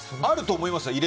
あると思います。